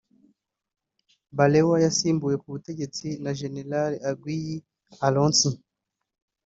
Balewa yasimbuwe ku butegetsi na General Aguiyi Ironsi